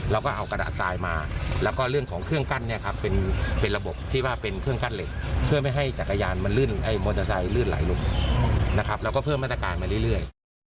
เราก็เอากระดาษทรายมาแล้วก็เรื่องของเครื่องกั้นเนี่ยครับเป็นระบบที่ว่าเป็นเครื่องกั้นเหล็กเพื่อไม่ให้จักรยานมันลื่นมอเตอร์ไซค์ลื่นไหลลงนะครับเราก็เพิ่มมาตรการมาเรื่อย